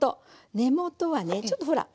根元はねちょっとほら。